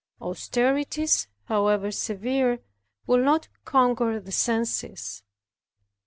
Austerities, however severe, will not conquer the senses.